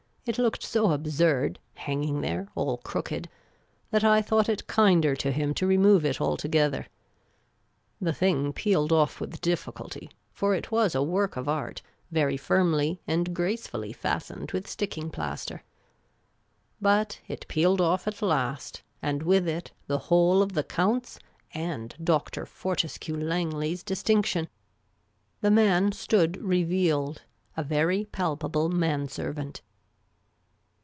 It looked so absurd, hanging there, all crooked, that I thought it kinder to him to remove it altogether. The thing peeled off with diffi 1 1 6 Miss Caylcy's Adventures culty ; for it was a work of art, very fimily and gracefully fastened with sticking plaster. But it peeled off at last — and with it the whole of the Count's and Dr. Fortescue Langley's distinction. The man stood revealed, a very palpable man servant.